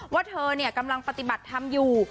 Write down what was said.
ว่าเธอกำลังปฏิบัติธรรมอยู่